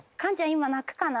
今鳴くかな？